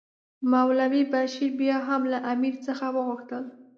مولوي بشیر بیا هم له امیر څخه وغوښتل.